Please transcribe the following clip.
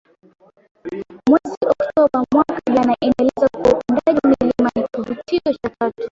mwezi Oktoba mwaka jana inaeleza kuwa upandaji wa milima ni kuvutio cha tatu